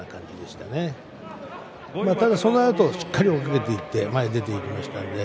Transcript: ただそのあとしっかりと追いかけていって前に出ていきました。